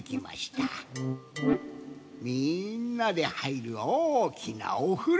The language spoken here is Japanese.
みんなではいるおおきなおふろ。